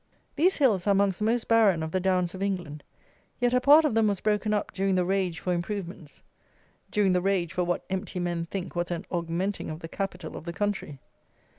These hills are amongst the most barren of the downs of England; yet a part of them was broken up during the rage for improvements; during the rage for what empty men think was an augmenting of the capital of the country.